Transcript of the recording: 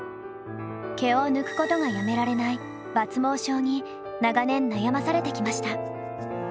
毛を抜くことがやめられない抜毛症に長年悩まされてきました。